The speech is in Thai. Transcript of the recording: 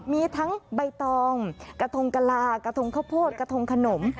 มีทั้งใบตองกระทงกะลากระทงข้าวโพดกระทงขนม